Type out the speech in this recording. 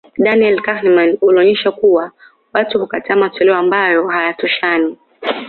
Daniel Kahneman ulionyesha kuwa watu hukataa matoleo ambayo hayatoshani